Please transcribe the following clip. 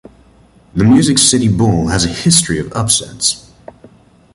The Music City Bowl has a history of upsets.